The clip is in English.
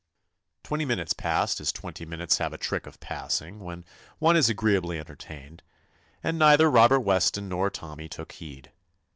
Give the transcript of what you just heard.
Twenty minutes passed as twenty minutes have a trick of passing when one is agreeably entertained, and neither Robert Weston nor Tommy took heed.